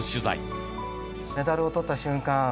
メダルを取った瞬間